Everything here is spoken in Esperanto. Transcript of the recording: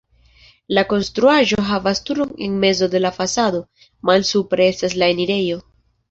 La konstruaĵo havas turon en mezo de la fasado, malsupre estas la enirejo.